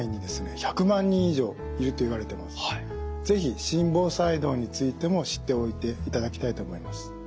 是非心房細動についても知っておいていただきたいと思います。